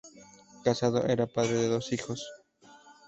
Casado, era padre de dos hijos.